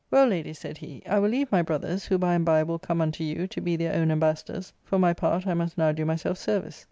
" Well, ladies," said he, " I will leave my brothers, who by and by will come unto you, to be their own ambassadors ; for my part, I must now do myself service."